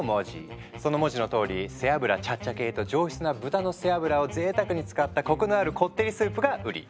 その文字のとおり背脂チャッチャ系と上質な豚の背脂をぜいたくに使ったコクのあるこってりスープが売り。